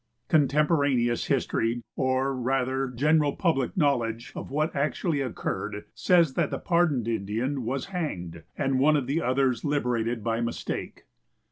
Contemporaneous history, or, rather, general public knowledge, of what actually occurred, says that the pardoned Indian was hanged, and one of the others liberated by mistake.